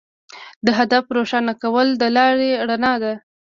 د هدف روښانه کول د لارې رڼا ده.